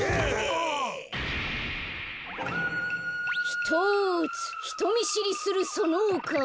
ひとつひとみしりするそのおかお。